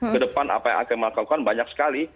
kedepan apa yang akan kami lakukan banyak sekali